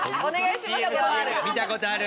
見たことある。